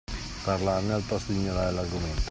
Parlarne al posto di ignorare l’argomento.